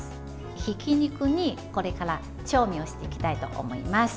ひき肉に、これから調味をしていきたいと思います。